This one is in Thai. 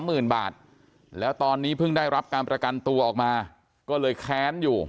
หมื่นบาทแล้วตอนนี้เพิ่งได้รับการประกันตัวออกมาก็เลยแค้นอยู่